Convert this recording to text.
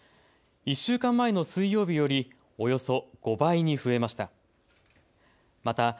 １週間前の水曜日よりおよそ５倍に増えました。